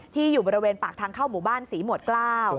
อยู่บริเวณปากทางเข้าหมู่บ้านศรีหมวดเกล้า